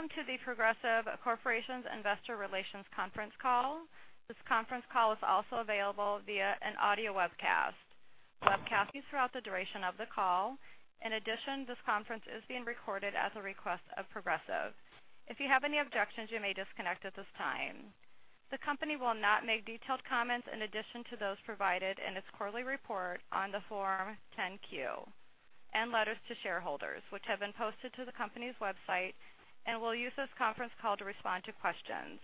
Welcome to The Progressive Corporation's Investor Relations conference call. This conference call is also available via an audio webcast. The webcast will be throughout the duration of the call. In addition, this conference is being recorded at the request of Progressive. If you have any objections, you may disconnect at this time. The company will not make detailed comments in addition to those provided in its quarterly report on the Form 10-Q and letters to shareholders, which have been posted to the company's website, and will use this conference call to respond to questions.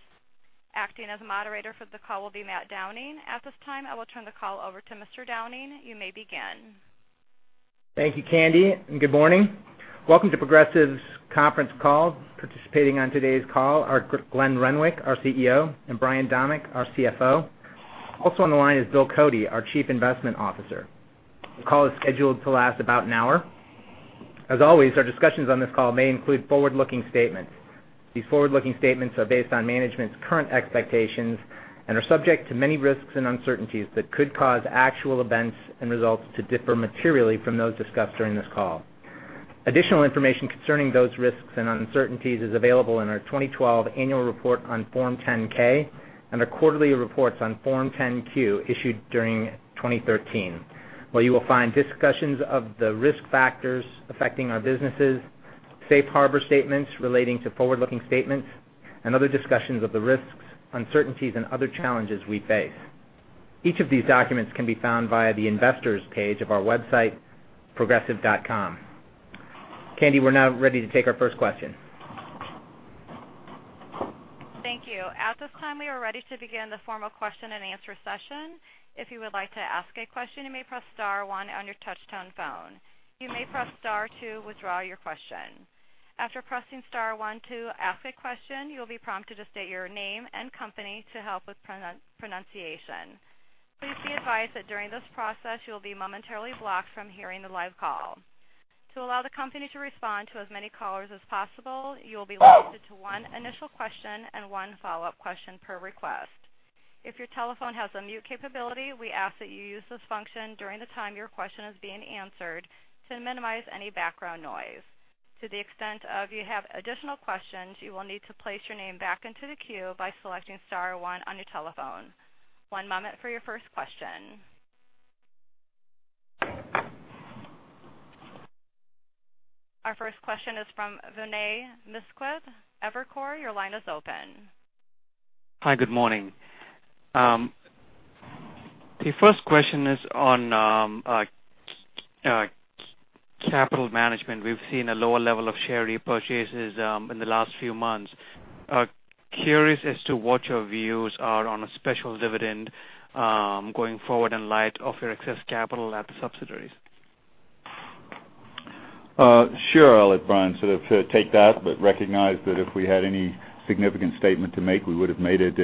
Acting as moderator for the call will be Matthew Downing. At this time, I will turn the call over to Mr. Downing. You may begin. Thank you, Candy, and good morning. Welcome to Progressive's conference call. Participating on today's call are Glenn Renwick, our CEO, and Brian Domeck, our CFO. Also on the line is Bill Cody, our chief investment officer. The call is scheduled to last about an hour. As always, our discussions on this call may include forward-looking statements. These forward-looking statements are based on management's current expectations and are subject to many risks and uncertainties that could cause actual events and results to differ materially from those discussed during this call. Additional information concerning those risks and uncertainties is available in our 2012 annual report on Form 10-K and our quarterly reports on Form 10-Q issued during 2013, where you will find discussions of the risk factors affecting our businesses, safe harbor statements relating to forward-looking statements, and other discussions of the risks, uncertainties, and other challenges we face. Each of these documents can be found via the investors page of our website, progressive.com. Candy, we're now ready to take our first question. Thank you. At this time, we are ready to begin the formal question and answer session. If you would like to ask a question, you may press star one on your touch-tone phone. You may press star two withdraw your question. After pressing star one to ask a question, you will be prompted to state your name and company to help with pronunciation. Please be advised that during this process, you will be momentarily blocked from hearing the live call. To allow the company to respond to as many callers as possible, you will be limited to one initial question and one follow-up question per request. If your telephone has a mute capability, we ask that you use this function during the time your question is being answered to minimize any background noise. To the extent of you have additional questions, you will need to place your name back into the queue by selecting star one on your telephone. One moment for your first question. Our first question is from Vinay Misquith, Evercore, your line is open. Hi, good morning. The first question is on capital management. We've seen a lower level of share repurchases in the last few months. Curious as to what your views are on a special dividend going forward in light of your excess capital at the subsidiaries. Sure. I'll let Brian sort of take that, recognize that if we had any significant statement to make, we would have made it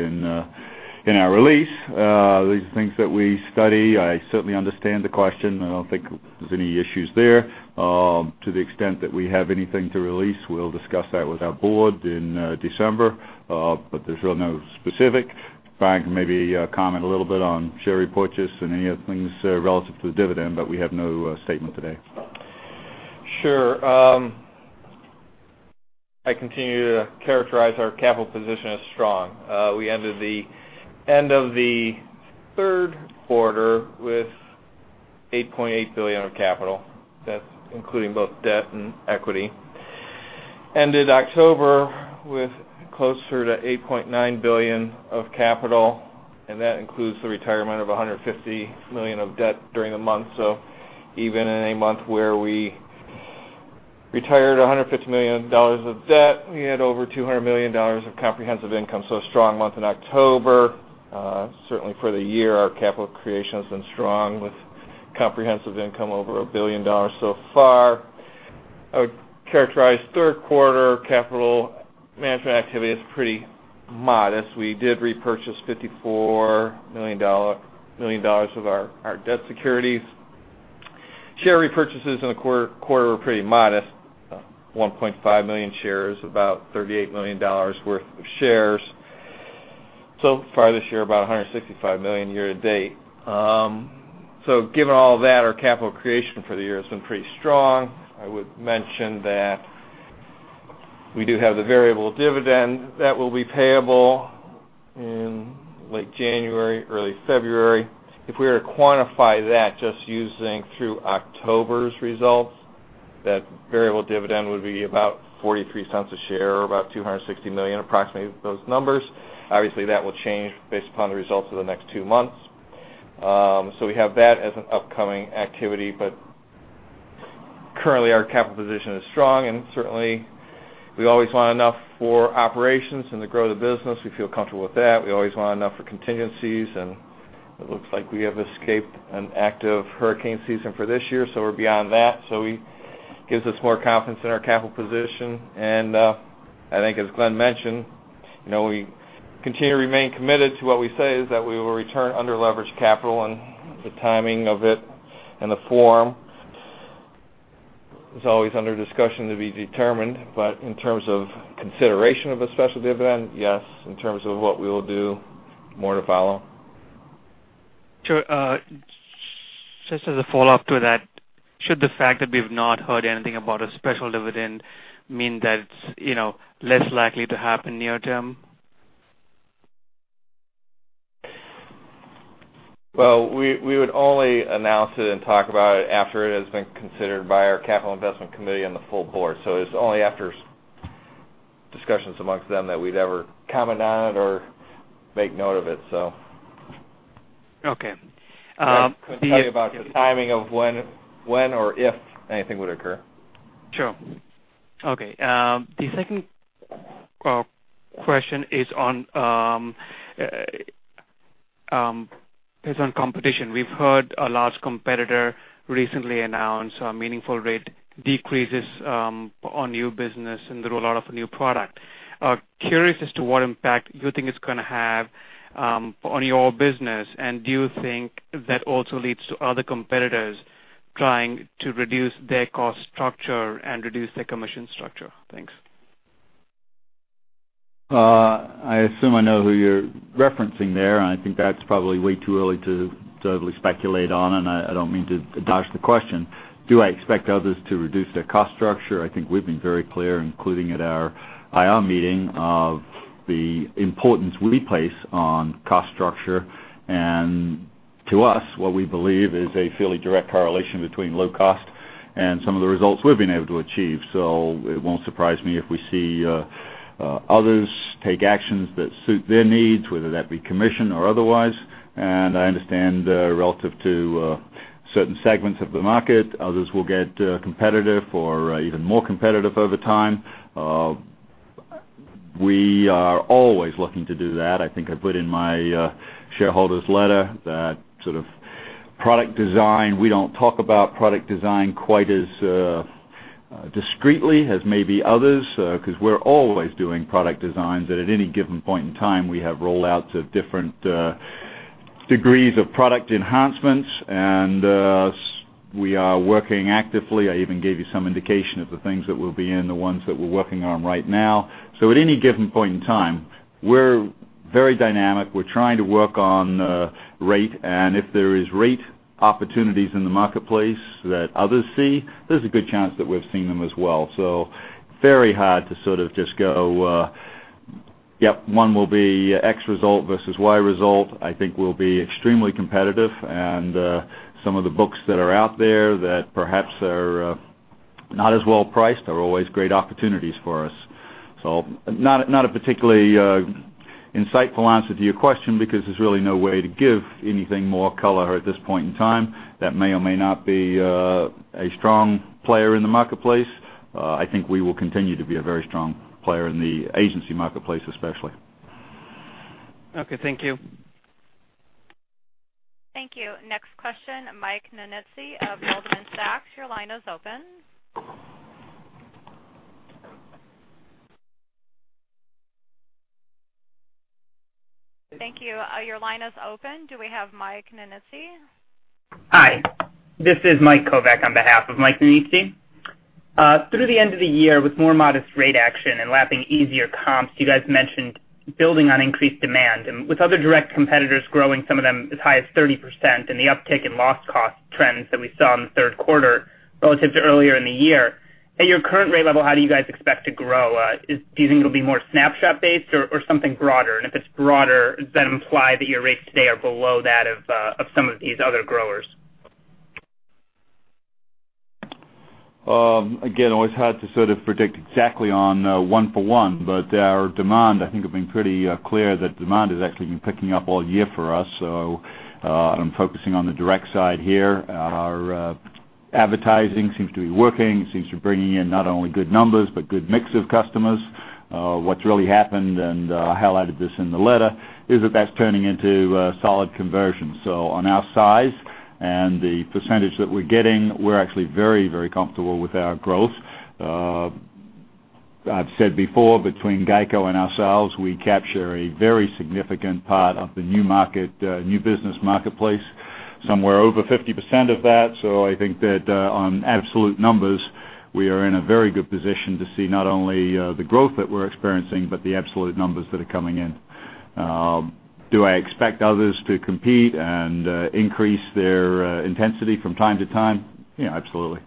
in our release. These are things that we study. I certainly understand the question, I don't think there's any issues there. To the extent that we have anything to release, we'll discuss that with our board in December. There's really no specific. Brian can maybe comment a little bit on share repurchases and any other things relative to the dividend, but we have no statement today. Sure. I continue to characterize our capital position as strong. We ended the end of the third quarter with $8.8 billion of capital. That's including both debt and equity. Ended October with closer to $8.9 billion of capital, that includes the retirement of $150 million of debt during the month. Even in a month where we retired $150 million of debt, we had over $200 million of comprehensive income. A strong month in October. Certainly for the year, our capital creation has been strong with comprehensive income over $1 billion so far. I would characterize third quarter capital management activity as pretty modest. We did repurchase $54 million of our debt securities. Share repurchases in the quarter were pretty modest, 1.5 million shares, about $38 million worth of shares. Far this year, about $165 million year-to-date. Given all that, our capital creation for the year has been pretty strong. I would mention that we do have the variable dividend that will be payable in late January, early February. If we were to quantify that just using through October's results, that variable dividend would be about $0.43 a share or about $260 million, approximately those numbers. That will change based upon the results of the next two months. We have that as an upcoming activity, but currently our capital position is strong and certainly we always want enough for operations and to grow the business. We feel comfortable with that. We always want enough for contingencies, and it looks like we have escaped an active hurricane season for this year, so we're beyond that. It gives us more confidence in our capital position. I think as Glenn mentioned, we continue to remain committed to what we say is that we will return under leveraged capital and the timing of it and the form is always under discussion to be determined. In terms of consideration of a special dividend, yes. In terms of what we will do, more to follow. Sure. Just as a follow-up to that, should the fact that we've not heard anything about a special dividend mean that it's less likely to happen near term? We would only announce it and talk about it after it has been considered by our capital investment committee and the full board. It's only after discussions amongst them that we'd ever comment on it or make note of it. Okay. Couldn't tell you about the timing of when or if anything would occur. Sure. Okay. The second question is on competition. We've heard a large competitor recently announce meaningful rate decreases on new business and the rollout of a new product. Curious as to what impact you think it's going to have on your business, and do you think that also leads to other competitors trying to reduce their cost structure and reduce their commission structure? Thanks. I assume I know who you're referencing there, and I think that's probably way too early to totally speculate on, and I don't mean to dodge the question. Do I expect others to reduce their cost structure? I think we've been very clear, including at our IR meeting, of the importance we place on cost structure. To us, what we believe is a fairly direct correlation between low cost and some of the results we've been able to achieve. It won't surprise me if we see others take actions that suit their needs, whether that be commission or otherwise. I understand, relative to certain segments of the market, others will get competitive or even more competitive over time. We are always looking to do that. I think I put in my shareholders' letter that sort of product design, we don't talk about product design quite as discreetly as maybe others, because we're always doing product designs that at any given point in time, we have rollouts of different degrees of product enhancements, and we are working actively. I even gave you some indication of the things that will be in the ones that we're working on right now. At any given point in time, we're very dynamic. We're trying to work on rate, and if there is rate opportunities in the marketplace that others see, there's a good chance that we've seen them as well. Very hard to sort of just go, yep, one will be X result versus Y result. I think we'll be extremely competitive, and some of the books that are out there that perhaps are not as well priced are always great opportunities for us. Not a particularly insightful answer to your question, because there's really no way to give anything more color at this point in time. That may or may not be a strong player in the marketplace. I think we will continue to be a very strong player in the agency marketplace, especially. Okay. Thank you. Thank you. Next question, Michael Nannizzi of Goldman Sachs. Your line is open. Thank you. Your line is open. Do we have Michael Nannizzi? Hi. This is Michael Kovac on behalf of Michael Nannizzi. Through the end of the year, with more modest rate action and lapping easier comps, you guys mentioned building on increased demand. With other direct competitors growing, some of them as high as 30%, and the uptick in loss cost trends that we saw in the third quarter relative to earlier in the year, at your current rate level, how do you guys expect to grow? Do you think it'll be more Snapshot based or something broader? If it's broader, does that imply that your rates today are below that of some of these other growers? Again, always hard to sort of predict exactly on one for one, but our demand, I think I've been pretty clear that demand has actually been picking up all year for us. I'm focusing on the direct side here. Our advertising seems to be working, seems to be bringing in not only good numbers, but good mix of customers. What's really happened, and I highlighted this in the letter, is that that's turning into solid conversion. On our size and the percentage that we're getting, we're actually very comfortable with our growth. I've said before, between GEICO and ourselves, we capture a very significant part of the new business marketplace, somewhere over 50% of that. I think that on absolute numbers, we are in a very good position to see not only the growth that we're experiencing, but the absolute numbers that are coming in. Do I expect others to compete and increase their intensity from time to time? Yeah, absolutely.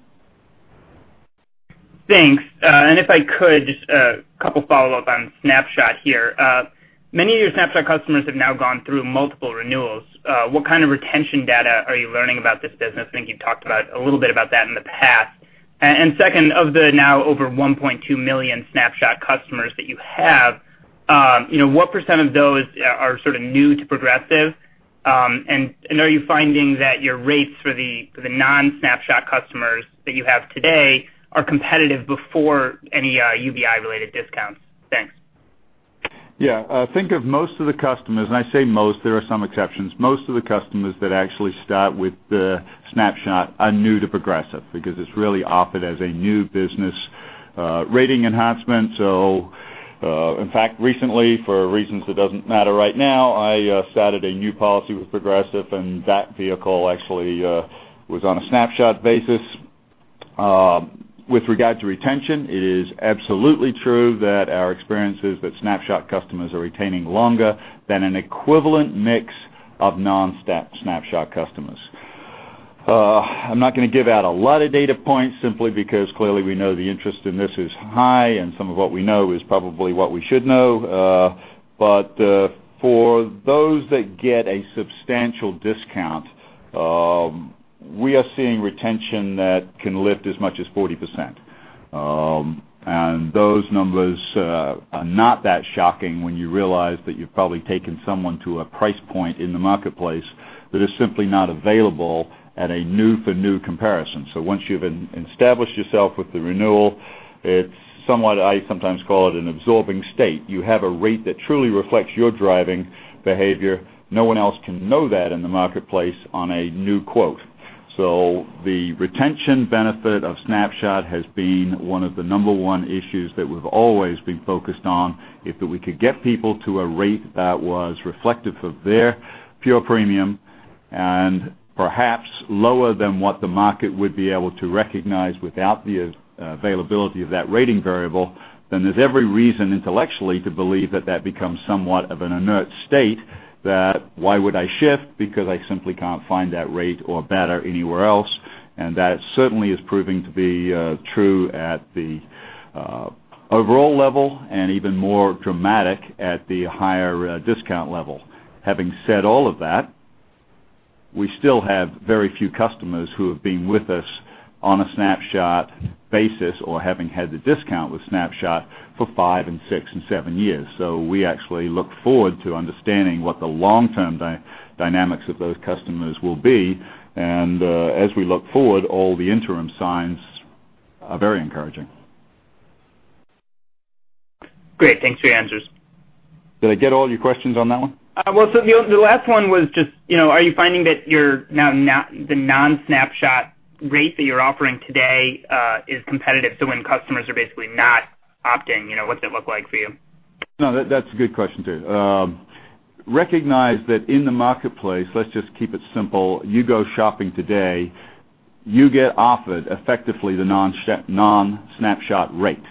Thanks. If I could, just a couple follow-up on Snapshot here. Many of your Snapshot customers have now gone through multiple renewals. What kind of retention data are you learning about this business? I think you've talked a little bit about that in the past. Second, of the now over 1.2 million Snapshot customers that you have, what percent of those are sort of new to Progressive? Are you finding that your rates for the non-Snapshot customers that you have today are competitive before any UBI related discounts? Thanks. Yeah. Think of most of the customers, and I say most, there are some exceptions. Most of the customers that actually start with Snapshot are new to Progressive because it's really offered as a new business rating enhancement. In fact, recently, for reasons that doesn't matter right now, I started a new policy with Progressive, and that vehicle actually was on a Snapshot basis. With regard to retention, it is absolutely true that our experience is that Snapshot customers are retaining longer than an equivalent mix of non-Snapshot customers. I'm not going to give out a lot of data points simply because clearly we know the interest in this is high, and some of what we know is probably what we should know. For those that get a substantial discount, we are seeing retention that can lift as much as 40%. Those numbers are not that shocking when you realize that you've probably taken someone to a price point in the marketplace that is simply not available at a new for new comparison. Once you've established yourself with the renewal, it's somewhat, I sometimes call it an absorbing state. You have a rate that truly reflects your driving behavior. No one else can know that in the marketplace on a new quote. The retention benefit of Snapshot has been one of the number one issues that we've always been focused on. If we could get people to a rate that was reflective of their pure premium, and perhaps lower than what the market would be able to recognize without the availability of that rating variable, then there's every reason intellectually to believe that that becomes somewhat of an inert state. That why would I shift? I simply can't find that rate or better anywhere else. That certainly is proving to be true at the overall level and even more dramatic at the higher discount level. Having said all of that, we still have very few customers who have been with us on a Snapshot basis or having had the discount with Snapshot for five and six and seven years. We actually look forward to understanding what the long term dynamics of those customers will be. As we look forward, all the interim signs are very encouraging. Great. Thanks for your answers. Did I get all your questions on that one? Are you finding that the non-Snapshot rate that you're offering today is competitive? When customers are basically not opting, what's it look like for you? That's a good question, too. Recognize that in the marketplace, let's just keep it simple. You go shopping today, you get offered effectively the non-Snapshot rate.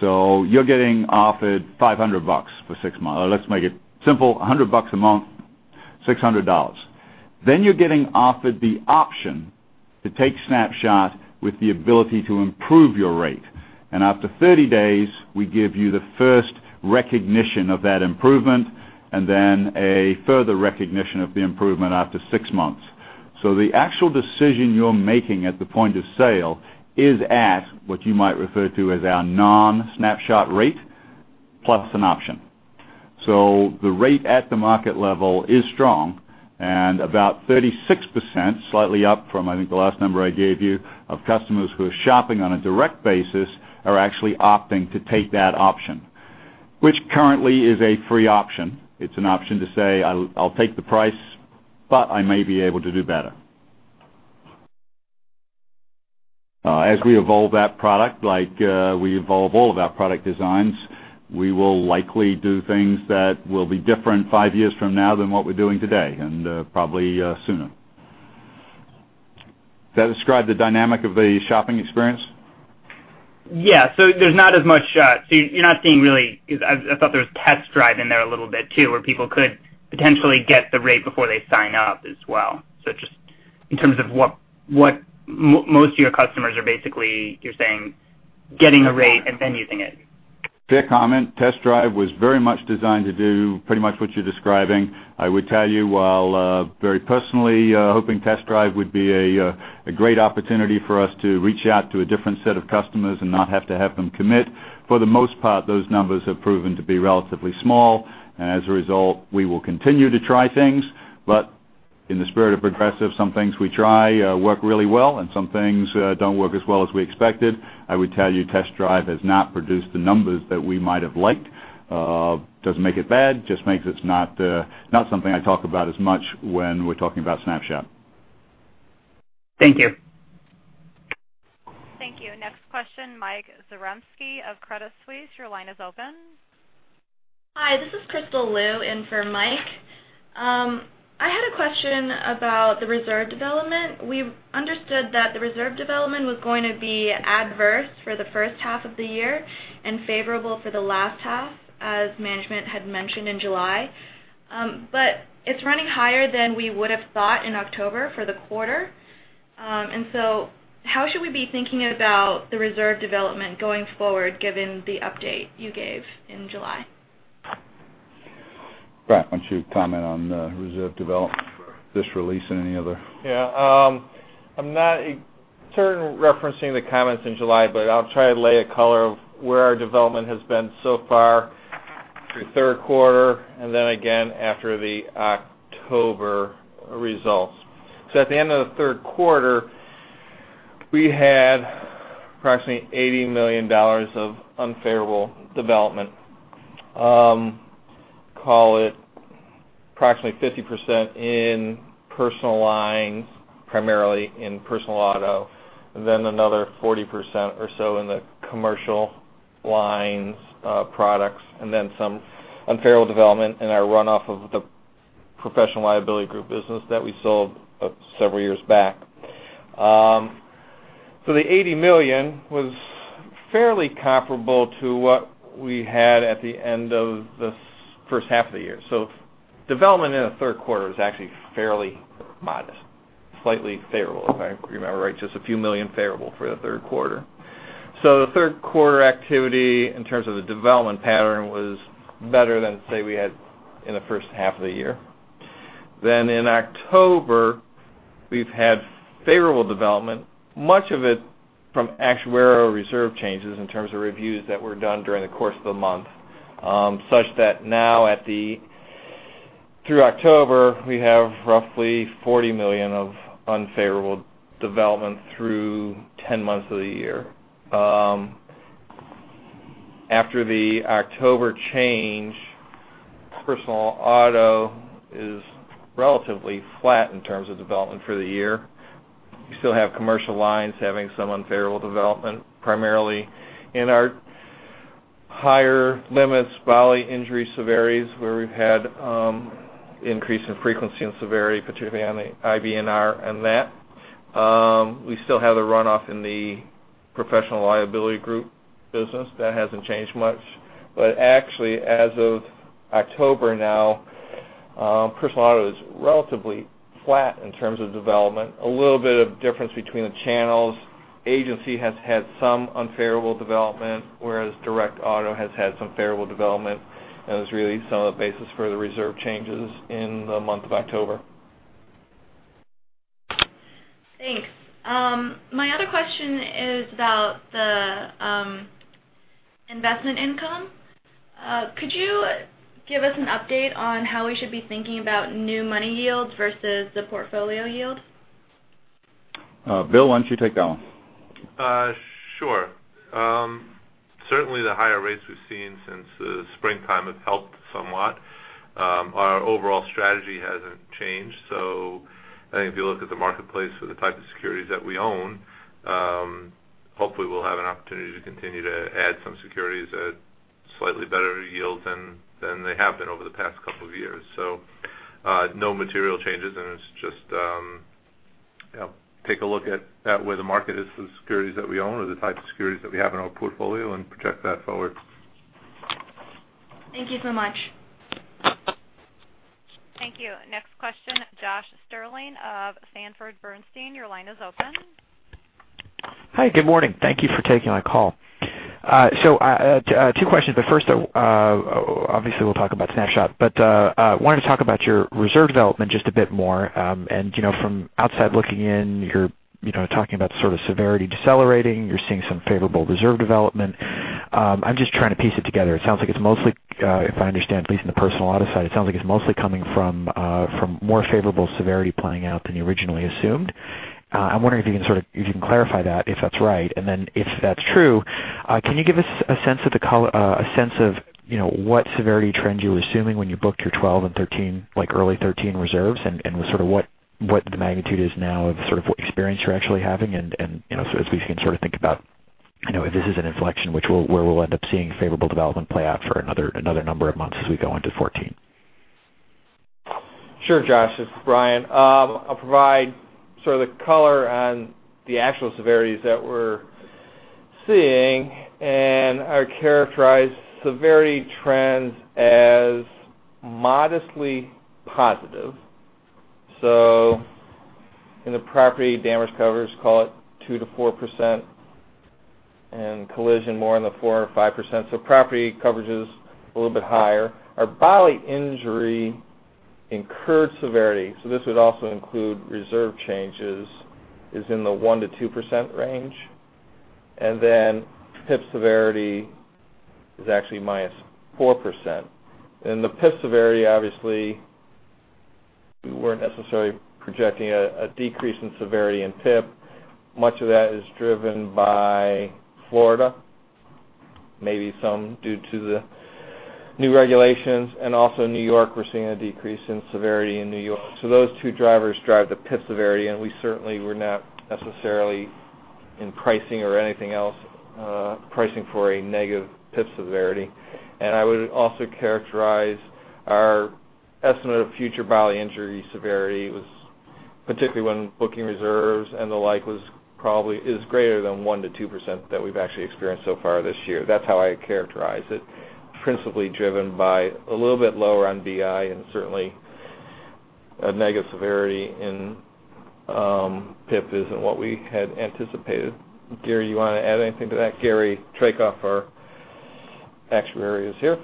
You're getting offered $500 for 6 months. Let's make it simple. $100 a month, $600. You're getting offered the option to take Snapshot with the ability to improve your rate. After 30 days, we give you the first recognition of that improvement, and then a further recognition of the improvement after 6 months. The actual decision you're making at the point of sale is at what you might refer to as our non-Snapshot rate, plus an option. The rate at the market level is strong, and about 36%, slightly up from, I think the last number I gave you, of customers who are shopping on a direct basis are actually opting to take that option. Which currently is a free option. It's an option to say, "I'll take the price, but I may be able to do better." As we evolve that product, like we evolve all of our product designs, we will likely do things that will be different 5 years from now than what we're doing today, and probably sooner. Does that describe the dynamic of the shopping experience? You're not seeing really? I thought there was Test Drive in there a little bit too, where people could potentially get the rate before they sign up as well. Just in terms of what most of your customers are basically, you're saying, getting a rate and then using it. Fair comment. Test Drive was very much designed to do pretty much what you're describing. I would tell you, while very personally hoping Test Drive would be a great opportunity for us to reach out to a different set of customers and not have to have them commit, for the most part, those numbers have proven to be relatively small. As a result, we will continue to try things. In the spirit of Progressive, some things we try work really well and some things don't work as well as we expected. I would tell you Test Drive has not produced the numbers that we might have liked. Doesn't make it bad, just makes it not something I talk about as much when we're talking about Snapshot. Thank you. Thank you. Next question, Michael Zaremski of Credit Suisse, your line is open. Hi, this is Crystal Lu in for Mike. I had a question about the reserve development. We understood that the reserve development was going to be adverse for the first half of the year and favorable for the last half, as management had mentioned in July. It's running higher than we would have thought in October for the quarter. So how should we be thinking about the reserve development going forward, given the update you gave in July? Brett, why don't you comment on the reserve development for this release and any other? Yeah. I'm not certain referencing the comments in July, I'll try to lay a color of where our development has been so far through third quarter and then again after the October results. At the end of the third quarter, we had approximately $80 million of unfavorable development. Call it approximately 50% in personal lines, primarily in personal auto, and then another 40% or so in the commercial lines products, and then some unfavorable development in our runoff of the Professional liability group business that we sold several years back. The $80 million was fairly comparable to what we had at the end of the first half of the year. Development in the third quarter is actually fairly modest, slightly favorable, if I remember right, just a few million favorable for the third quarter. The third quarter activity in terms of the development pattern was better than, say, we had in the first half of the year. In October, we've had favorable development, much of it from actuarial reserve changes in terms of reviews that were done during the course of the month, such that now through October, we have roughly $40 million of unfavorable development through 10 months of the year. After the October change, personal auto is relatively flat in terms of development for the year. You still have commercial lines having some unfavorable development, primarily in our higher limits, bodily injury severities, where we've had increase in frequency and severity, particularly on the IBNR and that. We still have the runoff in the Professional liability group business. That hasn't changed much. Actually, as of October now, personal auto is relatively flat in terms of development. A little bit of difference between the channels. Agency has had some unfavorable development, whereas direct auto has had some favorable development. It was really some of the basis for the reserve changes in the month of October. Thanks. My other question is about the investment income. Could you give us an update on how we should be thinking about new money yields versus the portfolio yield? Bill, why don't you take that one? Sure. Certainly the higher rates we've seen since the springtime have helped somewhat. Our overall strategy hasn't changed. I think if you look at the marketplace for the type of securities that we own, hopefully we'll have an opportunity to continue to add some securities at slightly better yields than they have been over the past couple of years. No material changes, it's just take a look at where the market is for the securities that we own or the type of securities that we have in our portfolio and project that forward. Thank you so much. Thank you. Next question, Josh Shanker of Sanford Bernstein. Your line is open. Hi, good morning. Thank you for taking my call. Two questions, but first, obviously we'll talk about Snapshot, but I wanted to talk about your reserve development just a bit more. From outside looking in, you're talking about sort of severity decelerating. You're seeing some favorable reserve development. I'm just trying to piece it together. It sounds like it's mostly, if I understand, at least in the personal auto side, it sounds like it's mostly coming from more favorable severity playing out than you originally assumed. I'm wondering if you can clarify that if that's right, and then if that's true, can you give us a sense of what severity trends you were assuming when you booked your 2012 and early 2013 reserves, and what the magnitude is now of sort of what experience you're actually having and so as we can sort of think about if this is an inflection where we'll end up seeing favorable development play out for another number of months as we go into 2014. Sure, Josh, this is Brian. I'll provide sort of the color on the actual severities that we're seeing and I characterize severity trends as modestly positive. In the property damage covers, call it 2%-4%, and collision more in the 4% or 5%. Property coverage is a little bit higher. Our bodily injury incurred severity, so this would also include reserve changes, is in the 1%-2% range. PIP severity is actually -4%. In the PIP severity, obviously, we weren't necessarily projecting a decrease in severity in PIP. Much of that is driven by Florida, maybe some due to the new regulations. Also New York, we're seeing a decrease in severity in New York. Those two drivers drive the PIP severity, and we certainly were not necessarily in pricing or anything else pricing for a negative PIP severity. I would also characterize our estimate of future bodily injury severity, particularly when booking reserves and the like, was probably greater than 1%-2% that we've actually experienced so far this year. That's how I characterize it. Principally driven by a little bit lower on BI and certainly a negative severity in PIP isn't what we had anticipated. Gary, you want to add anything to that? Gary Traikoff, our Actuary, is here.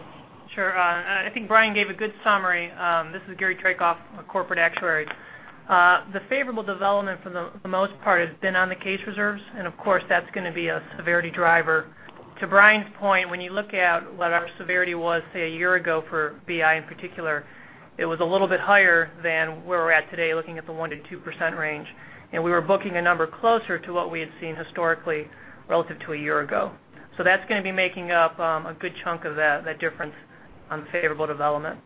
Sure. I think Brian gave a good summary. This is Gary Traikoff, corporate Actuary. The favorable development for the most part has been on the case reserves, and of course, that's going to be a severity driver. To Brian's point, when you look at what our severity was, say, a year ago for BI in particular, it was a little bit higher than where we're at today, looking at the 1%-2% range. We were booking a number closer to what we had seen historically relative to a year ago. That's going to be making up a good chunk of that difference on the favorable development.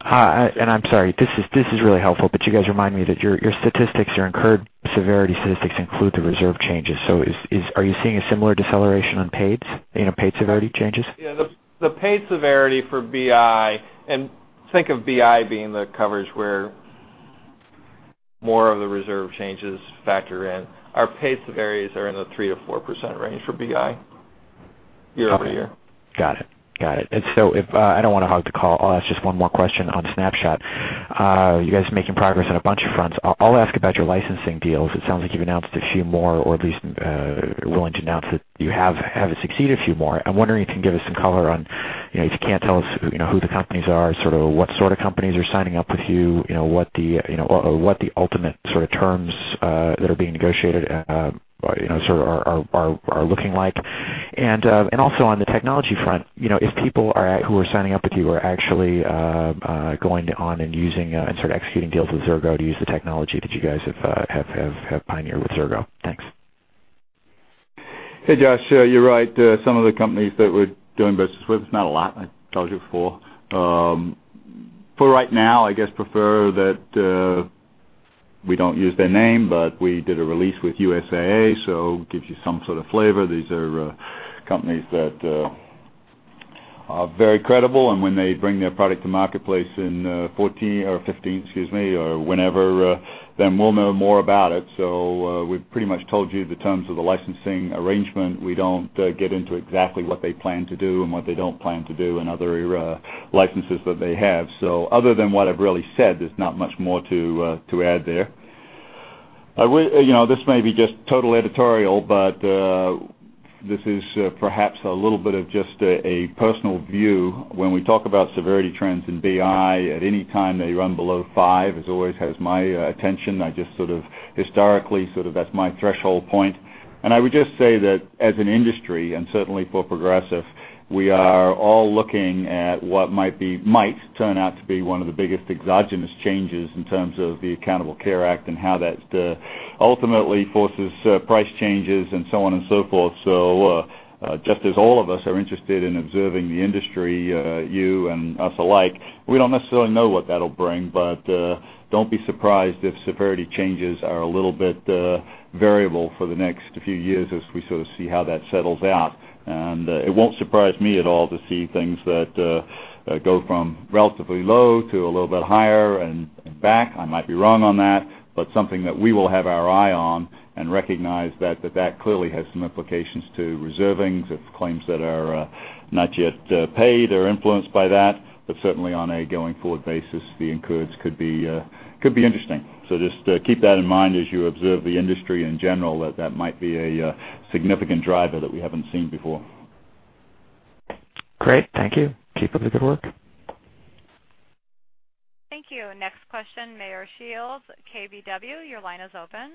I'm sorry, this is really helpful, but you guys remind me that your statistics, your incurred severity statistics include the reserve changes. Are you seeing a similar deceleration on paid severity changes? Yeah, the paid severity for BI, and think of BI being the coverage where more of the reserve changes factor in. Our paid severity is in the 3%-4% range for BI year-over-year. Got it. I don't want to hog the call. I'll ask just one more question on Snapshot. You guys are making progress on a bunch of fronts. I'll ask about your licensing deals. It sounds like you've announced a few more, or at least willing to announce that you have succeeded a few more. I'm wondering if you can give us some color on, if you can't tell us who the companies are, what sort of companies are signing up with you? What the ultimate terms that are being negotiated are looking like. On the technology front, if people who are signing up with you are actually going on and using and sort of executing deals with Xirgo to use the technology that you guys have pioneered with Xirgo. Thanks. Hey, Josh. You're right. Some of the companies that we're doing business with, it's not a lot. I told you before. For right now, I guess prefer that we don't use their name, but we did a release with USAA, gives you some sort of flavor. These are companies that are very credible. When they bring their product to marketplace in 2014 or 2015, excuse me, or whenever we'll know more about it. We've pretty much told you the terms of the licensing arrangement. We don't get into exactly what they plan to do and what they don't plan to do and other licenses that they have. Other than what I've really said, there's not much more to add there. This may be just total editorial, this is perhaps a little bit of just a personal view. When we talk about severity trends in BI at any time they run below five, it always has my attention. I just sort of historically, that's my threshold point. I would just say that as an industry and certainly for Progressive, we are all looking at what might turn out to be one of the biggest exogenous changes in terms of the Affordable Care Act and how that ultimately forces price changes and so on and so forth. Just as all of us are interested in observing the industry, you and us alike, we don't necessarily know what that'll bring. Don't be surprised if severity changes are a little bit variable for the next few years as we sort of see how that settles out. It won't surprise me at all to see things that go from relatively low to a little bit higher and back. I might be wrong on that, something that we will have our eye on recognize that that clearly has some implications to reservings, if claims that are not yet paid or influenced by that. Certainly on a going forward basis, the incurred could be interesting. Just keep that in mind as you observe the industry in general, that that might be a significant driver that we haven't seen before. Great. Thank you. Keep up the good work. Thank you. Next question, Meyer Shields, KBW, your line is open.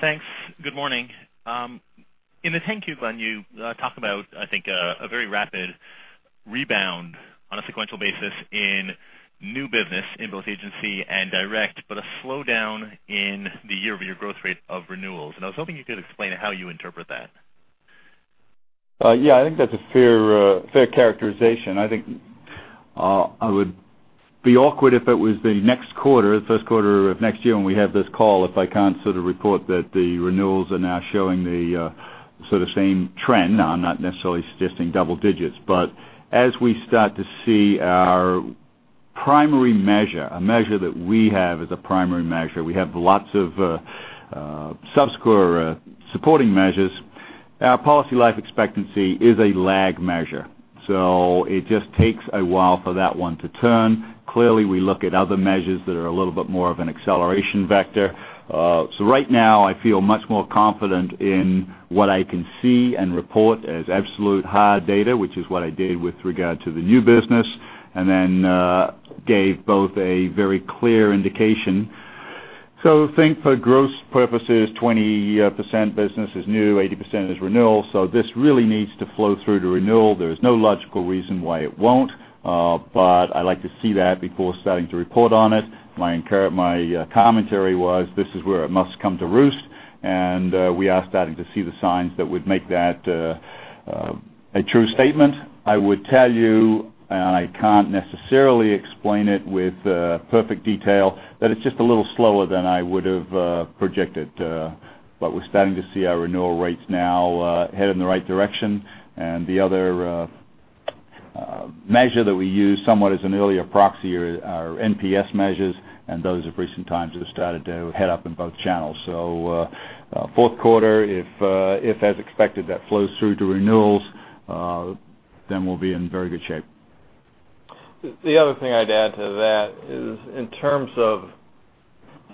Thanks. Good morning. In the 10-Q, Glenn, you talked about, I think, a very rapid rebound on a sequential basis in new business in both agency and direct, but a slowdown in the year-over-year growth rate of renewals. I was hoping you could explain how you interpret that. Yeah, I think that's a fair characterization. I think I would be awkward if it was the next quarter, the first quarter of next year when we have this call, if I can't sort of report that the renewals are now showing the same trend. Now, I'm not necessarily suggesting double digits, but as we start to see our primary measure, a measure that we have as a primary measure, we have lots of subscore supporting measures. Our policy life expectancy is a lag measure, so it just takes a while for that one to turn. Clearly, we look at other measures that are a little bit more of an acceleration vector. Right now, I feel much more confident in what I can see and report as absolute hard data, which is what I did with regard to the new business, then gave both a very clear indication. Think for gross purposes, 20% business is new, 80% is renewal. This really needs to flow through to renewal. There is no logical reason why it won't. I like to see that before starting to report on it. My commentary was, this is where it must come to roost, and we are starting to see the signs that would make that a true statement. I would tell you, and I can't necessarily explain it with perfect detail, that it's just a little slower than I would have projected. We're starting to see our renewal rates now head in the right direction. The other measure that we use somewhat as an earlier proxy are NPS measures, and those of recent times have started to head up in both channels. Fourth quarter, if as expected, that flows through to renewals we'll be in very good shape. The other thing I'd add to that is in terms of,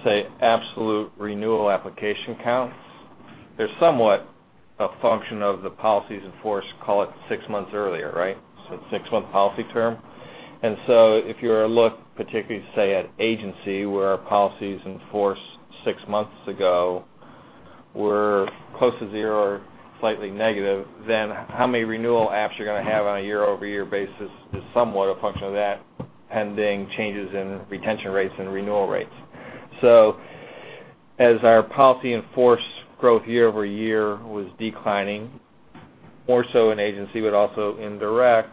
say, absolute renewal application counts, they're somewhat a function of the policies in force, call it six months earlier, right? It's six-month policy term. If you were to look particularly say at agency, where our policy is in force six months ago were close to zero or slightly negative, then how many renewal apps you're going to have on a year-over-year basis is somewhat a function of that, pending changes in retention rates and renewal rates. As our policy in force growth year-over-year was declining more so in agency but also in direct,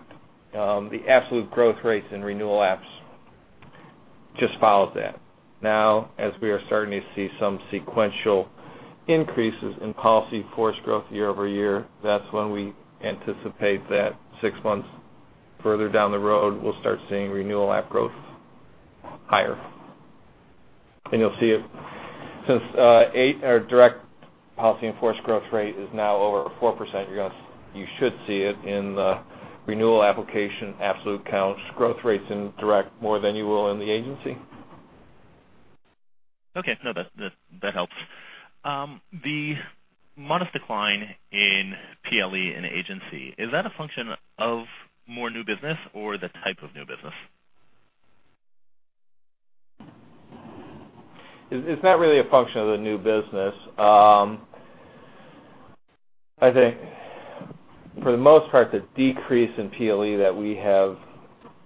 the absolute growth rates and renewal apps just followed that. As we are starting to see some sequential increases in policy force growth year-over-year, that's when we anticipate that six months further down the road, we'll start seeing renewal app growth higher. You'll see it since our direct policy in force growth rate is now over 4%, you should see it in the renewal application, absolute counts, growth rates in direct more than you will in the agency. Okay. No, that helps. The modest decline in PLE in agency, is that a function of more new business or the type of new business? It's not really a function of the new business. I think for the most part, the decrease in PLE that we have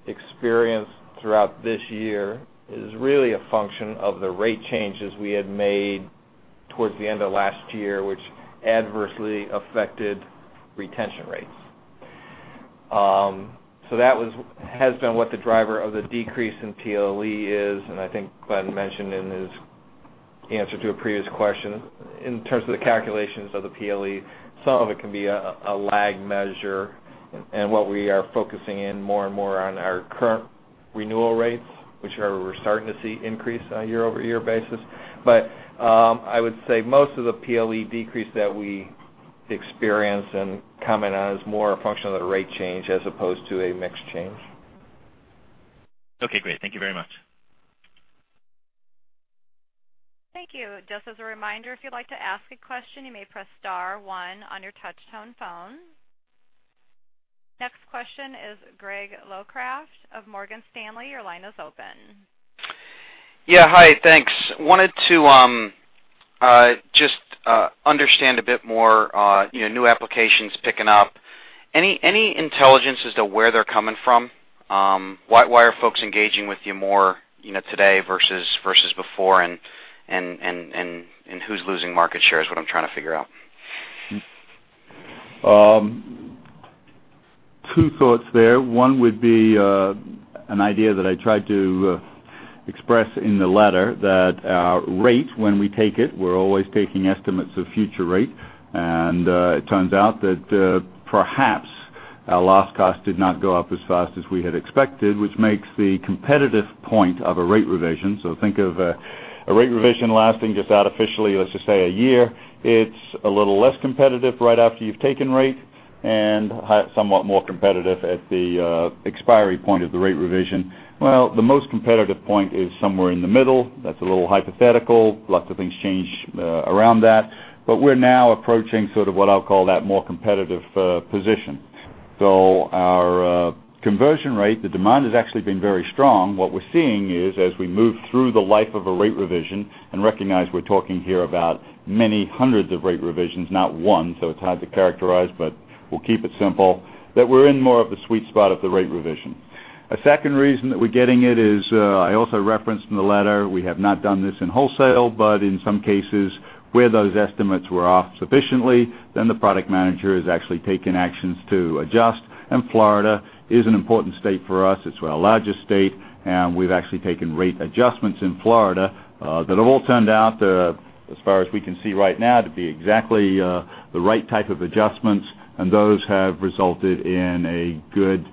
experienced throughout this year is really a function of the rate changes we had made towards the end of last year, which adversely affected retention rates. That has been what the driver of the decrease in PLE is, I think Glenn mentioned in his answer to a previous question in terms of the calculations of the PLE, some of it can be a lag measure and what we are focusing in more on our current renewal rates, which we're starting to see increase on a year-over-year basis. I would say most of the PLE decrease that we experience and comment on is more a function of the rate change as opposed to a mix change. Okay, great. Thank you very much. Thank you. Just as a reminder, if you'd like to ask a question, you may press star one on your touch tone phone. Next question is Greg Lowcraft of Morgan Stanley. Your line is open. Yeah. Hi, thanks. Wanted to just understand a bit more new applications picking up. Any intelligence as to where they're coming from? Why are folks engaging with you more today versus before, and who's losing market share is what I'm trying to figure out. Two thoughts there. One would be an idea that I tried to express in the letter that rate when we take it, we're always taking estimates of future rate. It turns out that perhaps our loss cost did not go up as fast as we had expected, which makes the competitive point of a rate revision. Think of a rate revision lasting just out officially, let's just say a year. It's a little less competitive right after you've taken rate and somewhat more competitive at the expiry point of the rate revision. The most competitive point is somewhere in the middle. That's a little hypothetical. Lots of things change around that. We're now approaching sort of what I'll call that more competitive position. Our conversion rate, the demand has actually been very strong. What we're seeing is as we move through the life of a rate revision, and recognize we're talking here about many hundreds of rate revisions, not one, so it's hard to characterize, but we'll keep it simple, that we're in more of the sweet spot of the rate revision. A second reason that we're getting it is I also referenced in the letter, we have not done this in wholesale, but in some cases where those estimates were off sufficiently, then the product manager has actually taken actions to adjust. Florida is an important state for us. It's our largest state, and we've actually taken rate adjustments in Florida that have all turned out, as far as we can see right now, to be exactly the right type of adjustments, and those have resulted in a good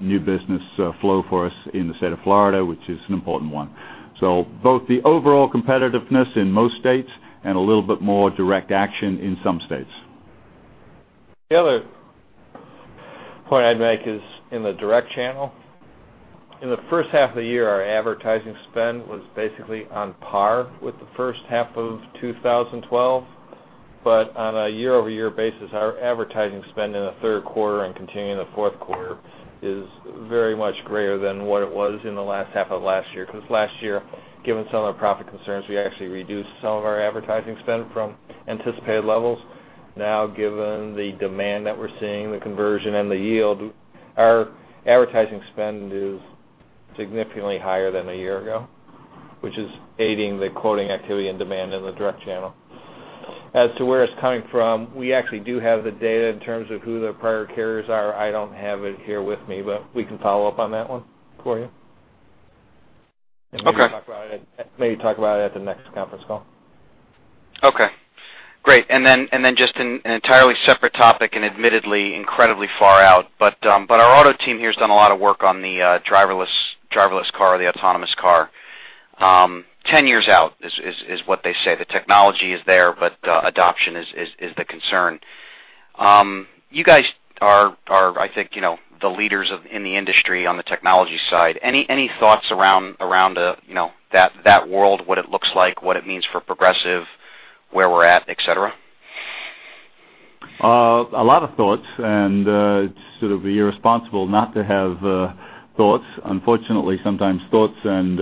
new business flow for us in the state of Florida, which is an important one. Both the overall competitiveness in most states and a little bit more direct action in some states. The other point I'd make is in the direct channel. In the first half of the year, our advertising spend was basically on par with the first half of 2012. On a year-over-year basis, our advertising spend in the third quarter and continuing the fourth quarter is very much greater than what it was in the last half of last year. Last year, given some of our profit concerns, we actually reduced some of our advertising spend from anticipated levels. Given the demand that we're seeing, the conversion and the yield, our advertising spend is significantly higher than a year ago, which is aiding the quoting activity and demand in the direct channel. As to where it's coming from, we actually do have the data in terms of who their prior carriers are. I don't have it here with me, but we can follow up on that one for you. Okay. Maybe talk about it at the next conference call. Okay, great. Just an entirely separate topic and admittedly incredibly far out, but our auto team here has done a lot of work on the driverless car, the autonomous car. 10 years out is what they say. The technology is there, but adoption is the concern. You guys are, I think the leaders in the industry on the technology side. Any thoughts around that world, what it looks like, what it means for Progressive, where we're at, et cetera? A lot of thoughts, and it's sort of irresponsible not to have thoughts. Unfortunately, sometimes thoughts and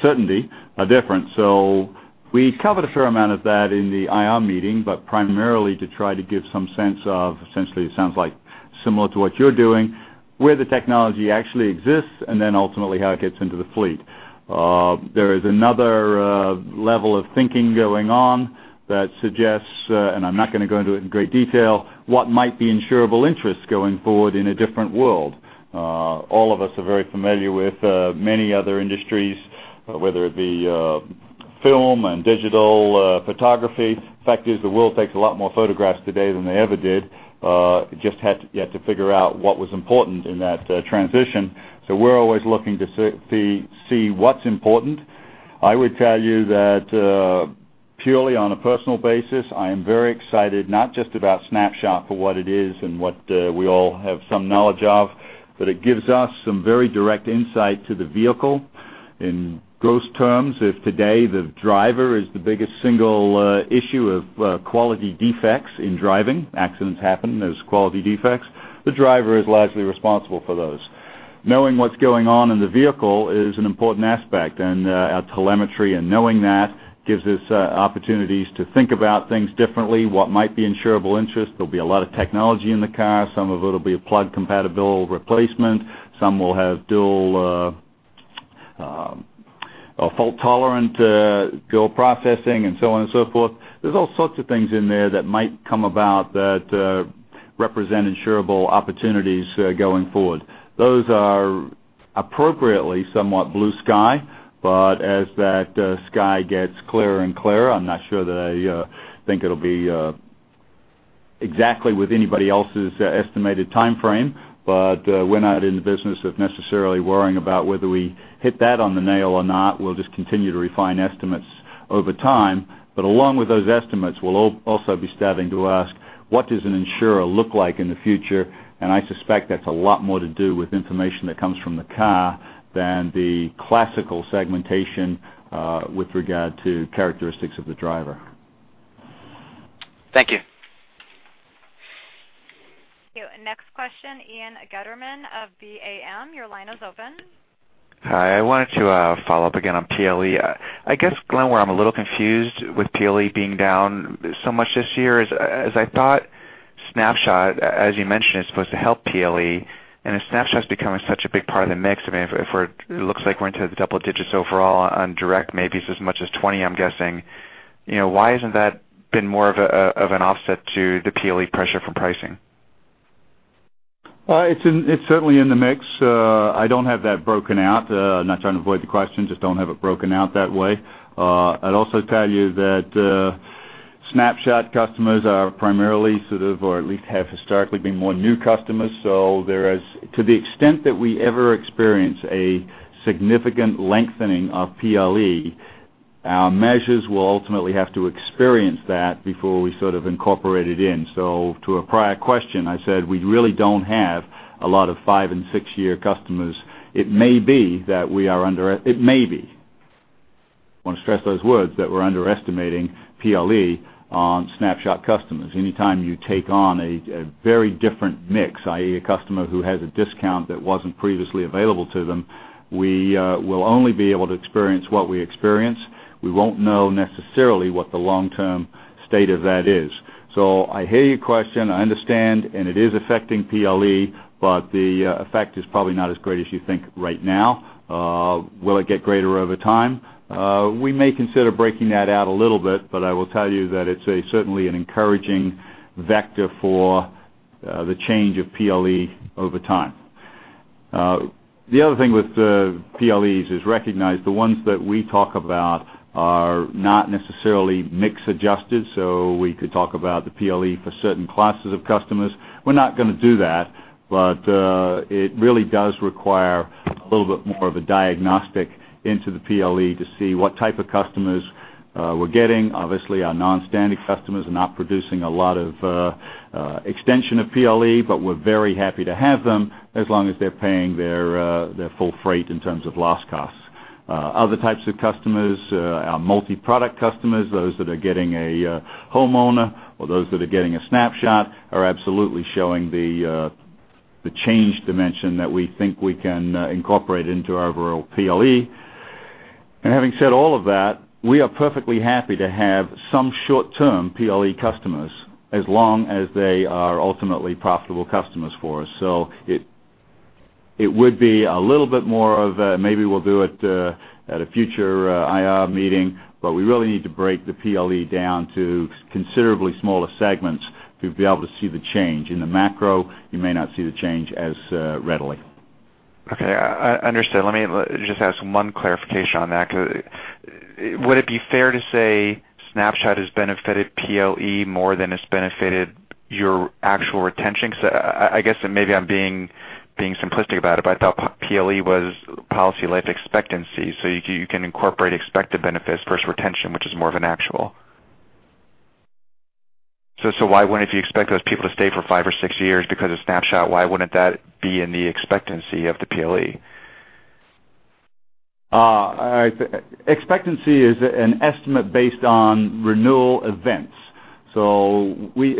certainty are different. We covered a fair amount of that in the IR meeting, but primarily to try to give some sense of, essentially, it sounds like similar to what you're doing, where the technology actually exists, and then ultimately how it gets into the fleet. There is another level of thinking going on that suggests, and I'm not going to go into it in great detail, what might be insurable interest going forward in a different world. All of us are very familiar with many other industries, whether it be Film and digital photography. The fact is, the world takes a lot more photographs today than they ever did. It just had yet to figure out what was important in that transition. We're always looking to see what's important. I would tell you that purely on a personal basis, I am very excited not just about Snapshot for what it is and what we all have some knowledge of, but it gives us some very direct insight to the vehicle. In gross terms, if today the driver is the biggest single issue of quality defects in driving, accidents happen, those quality defects, the driver is largely responsible for those. Knowing what's going on in the vehicle is an important aspect, and our telemetry and knowing that gives us opportunities to think about things differently, what might be insurable interest. There'll be a lot of technology in the car. Some of it'll be a plug compatible replacement. Some will have dual fault tolerant dual processing and so on and so forth. There's all sorts of things in there that might come about that represent insurable opportunities going forward. Those are appropriately somewhat blue sky, as that sky gets clearer and clearer, I'm not sure that I think it'll be exactly with anybody else's estimated timeframe. We're not in the business of necessarily worrying about whether we hit that on the nail or not. We'll just continue to refine estimates over time. Along with those estimates, we'll also be starting to ask, what does an insurer look like in the future? I suspect that's a lot more to do with information that comes from the car than the classical segmentation with regard to characteristics of the driver. Thank you. Thank you. Next question, Ian Gutterman of BAM. Your line is open. Hi. I wanted to follow up again on PLE. I guess, Glenn, where I'm a little confused with PLE being down so much this year is, as I thought Snapshot, as you mentioned, is supposed to help PLE. As Snapshot's becoming such a big part of the mix, it looks like we're into the double digits overall on direct, maybe as much as 20%, I'm guessing. Why hasn't that been more of an offset to the PLE pressure for pricing? It's certainly in the mix. I don't have that broken out. I'm not trying to avoid the question, just don't have it broken out that way. I'd also tell you that Snapshot customers are primarily, or at least have historically been more new customers. To the extent that we ever experience a significant lengthening of PLE, our measures will ultimately have to experience that before we incorporate it in. To a prior question, I said we really don't have a lot of five and six-year customers. It may be, I want to stress those words, that we're underestimating PLE on Snapshot customers. Anytime you take on a very different mix, i.e., a customer who has a discount that wasn't previously available to them, we will only be able to experience what we experience. We won't know necessarily what the long-term state of that is. I hear your question, I understand. It is affecting PLE, but the effect is probably not as great as you think right now. Will it get greater over time? We may consider breaking that out a little bit, but I will tell you that it's certainly an encouraging vector for the change of PLE over time. The other thing with PLEs is recognize the ones that we talk about are not necessarily mix adjusted, so we could talk about the PLE for certain classes of customers. We're not going to do that, but it really does require a little bit more of a diagnostic into the PLE to see what type of customers we're getting. Obviously, our outstanding customers are not producing a lot of extension of PLE, but we're very happy to have them as long as they're paying their full freight in terms of loss costs. Other types of customers, our multi-product customers, those that are getting a homeowner or those that are getting a Snapshot are absolutely showing the change dimension that we think we can incorporate into our overall PLE. Having said all of that, we are perfectly happy to have some short-term PLE customers as long as they are ultimately profitable customers for us. It would be a little bit more of a, maybe we'll do it at a future IR meeting, but we really need to break the PLE down to considerably smaller segments to be able to see the change. In the macro, you may not see the change as readily. Okay. Understood. Let me just ask one clarification on that, because would it be fair to say Snapshot has benefited PLE more than it's benefited your actual retention? Because I guess, and maybe I'm being simplistic about it, I thought PLE was policy life expectancy, so you can incorporate expected benefits versus retention, which is more of an actual. Why wouldn't you expect those people to stay for five or six years because of Snapshot? Why wouldn't that be in the expectancy of the PLE? Expectancy is an estimate based on renewal events. We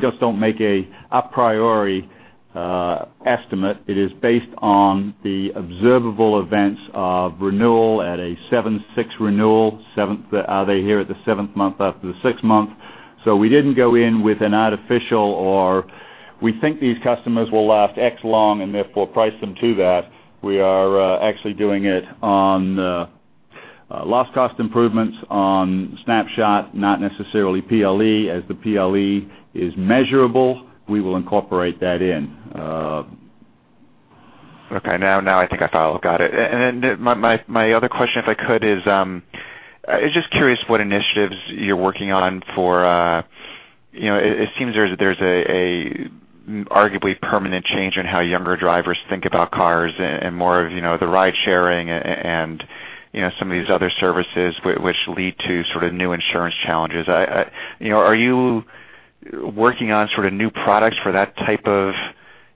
just don't make a priority estimate. It is based on the observable events of renewal at a seven six renewal. Are they here at the seventh month after the sixth month? We didn't go in with an artificial or we think these customers will last X long and therefore price them to that. We are actually doing it on loss cost improvements on Snapshot, not necessarily PLE. As the PLE is measurable, we will incorporate that in. Okay. Now I think I got it. My other question, if I could, is just curious what initiatives you're working on. It seems there's an arguably permanent change in how younger drivers think about cars and more of the ride sharing and some of these other services which lead to new insurance challenges. Are you working on new products for that type of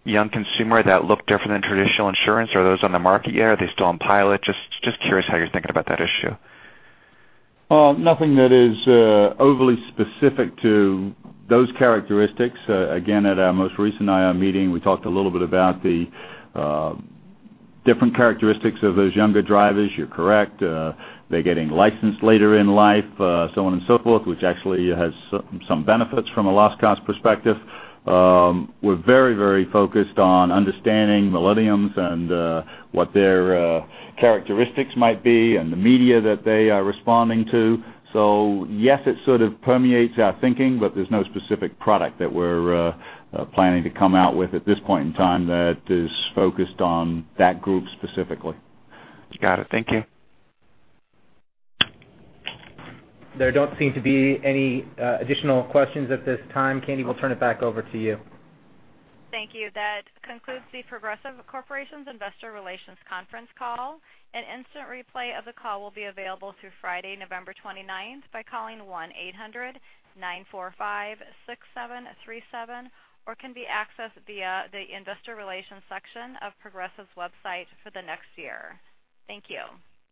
young consumer that look different than traditional insurance? Are those on the market yet, or are they still on pilot? Just curious how you're thinking about that issue. Nothing that is overly specific to those characteristics. Again, at our most recent IR meeting, we talked a little bit about the different characteristics of those younger drivers. You're correct. They're getting licensed later in life so on and so forth, which actually has some benefits from a loss cost perspective. We're very focused on understanding millennials and what their characteristics might be and the media that they are responding to. Yes, it sort of permeates our thinking, there's no specific product that we're planning to come out with at this point in time that is focused on that group specifically. Got it. Thank you. There don't seem to be any additional questions at this time. Candy, we'll turn it back over to you. Thank you. That concludes The Progressive Corporation's Investor Relations conference call. An instant replay of the call will be available through Friday, November 29th by calling 1-800-945-6737 or can be accessed via the Investor Relations section of Progressive's website for the next year. Thank you.